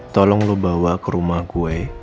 tolong lo bawa ke rumah gue